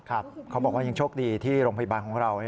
เขาบอกว่ายังโชคดีที่โรงพยาบาลของเรา